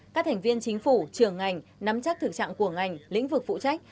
các thành viên chính phủ trường ngành nắm chắc thực trạng của ngành lĩnh vực phụ trách